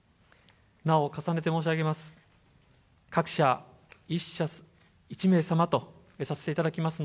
なお重ねて申し上げます。